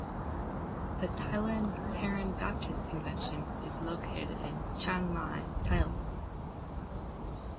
The Thailand Karen Baptist Convention is located in Chiang Mai, Thailand.